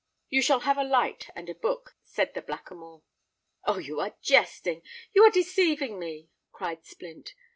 "You shall have a light and a book," said the Blackamoor. "Oh! you are jesting—you are deceiving me!" cried Splint.